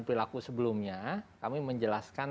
perilaku sebelumnya kami menjelaskan